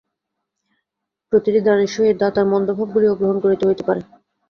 প্রতিটি দানের সহিত দাতার মন্দ ভাবগুলিও গ্রহণ করিতে হইতে পারে।